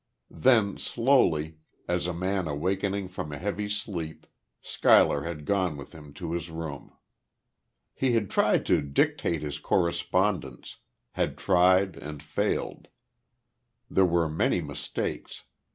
Then, slowly, as a man awakening from a heavy sleep, Schuyler had gone with him to his room. He had tried to dictate his correspondence; had tried, and failed. There were many mistakes.